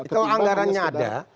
kalau anggarannya ada